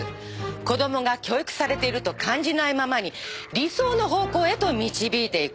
子供が教育されていると感じないままに理想の方向へと導いていく。